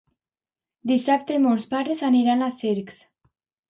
Dissabte mons pares aniran a Cercs.